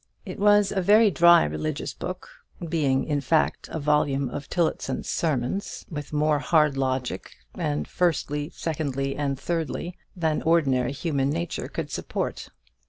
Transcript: It was a very dry religious book, being in fact a volume of Tillotson's sermons, with more hard logic, and firstly, secondly, and thirdly, than ordinary human nature could support.